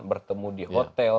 bertemu di hotel